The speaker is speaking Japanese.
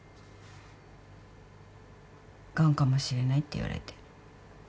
がんかもしれないって言われて。